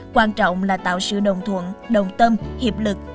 quan trọng là tạo sự đồng thuận đồng tâm hiệp lực